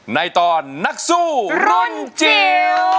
ในตอนนักสู้รุ่นจิ๋ว